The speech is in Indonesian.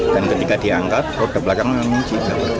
dan ketika diangkat roda belakangnya menguji